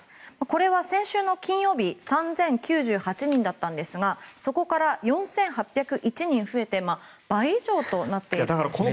これは先週の金曜日３０９８人だったんですがそこから４８０１人増えて倍以上となっているんですね。